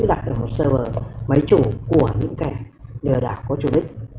đặt vào một server máy chủ của những kẻ lừa đảo có chủ đích